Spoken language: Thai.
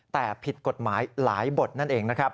แต่ผิดกฎหมายหลายบทนั่นเองนะครับ